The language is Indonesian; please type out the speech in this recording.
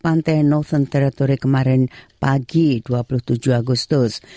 pas pantai northern territory kemarin pagi dua puluh tujuh agustus